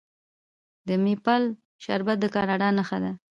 د میپل شربت د کاناډا نښه ده.